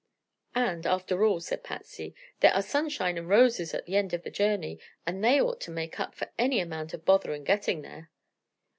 "And, after all," said Patsy, "there are the sunshine and roses at the end of the journey, and they ought to make up for any amount of bother in getting there."